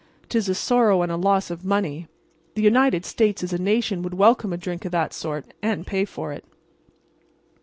'Tis a sorrow and a loss of money. The United States as a nation would welcome a drink of that sort, and pay for it."